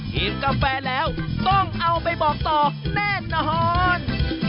กินกาแฟแล้วต้องเอาไปบอกต่อแน่นอน